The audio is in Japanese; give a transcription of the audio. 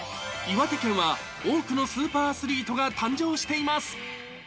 岩手県は多くのスーパーアスリートが誕生しています。